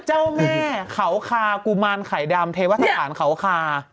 เจ้าแม่เขาคากุมารไข่ดำเทวสถานเขาคา